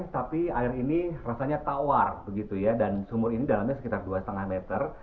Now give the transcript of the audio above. tapi air ini rasanya tawar begitu ya dan sumur ini dalamnya sekitar dua lima meter